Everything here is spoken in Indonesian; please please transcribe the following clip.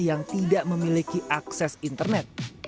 yang tidak memiliki akses internet